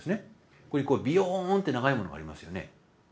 ここにビヨーンって長いものがありますよね。